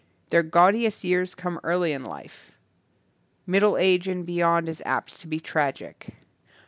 Their gaudiest years come early in life. Middle age and beyond is apt to be tragic.